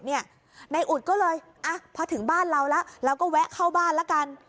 นายอุดก็เลยพอถึงบ้านเราแล้วเราก็แวะเข้าบ้านละกัน